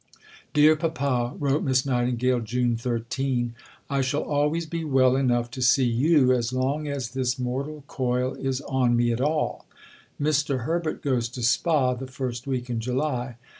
"Dear Papa," wrote Miss Nightingale (June 13), "I shall always be well enough to see you as long as this mortal coil is on me at all. Mr. Herbert goes to Spa the first week in July.